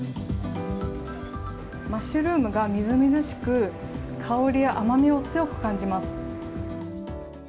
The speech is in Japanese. マッシュルームがみずみずしく、香りや甘みを強く感じます。